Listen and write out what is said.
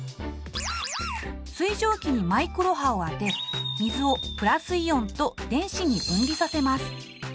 水蒸気にマイクロ波を当て水をプラスイオンと電子に分離させます。